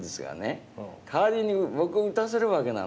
代わりに僕を打たせるわけなのよ。